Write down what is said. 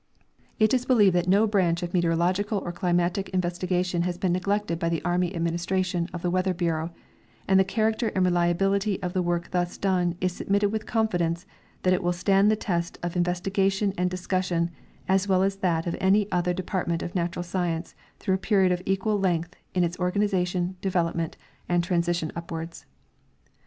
It is believed that no branch of meteorological or climatic in vestigation has l)een neglected by the army administration of the Weather bureau, and the character and reliability of the work thus done is sul)mitted witii confidence that it will stand the test of investigation and discussion as well as that of any other de partment of natural science througli a period of equal length in its organization, development and transition upAvards.